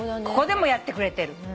ここでもやってくれてる。